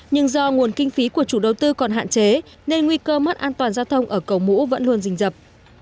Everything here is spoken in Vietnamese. nhưng do nguồn kinh phí của chủ đầu tư còn hạn chế nên nguy cơ mất an toàn giao thông ở cầu mũ vẫn luôn dình dập